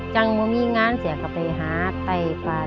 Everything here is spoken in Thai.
จากมันมีงานจองไปหาใต้ปลา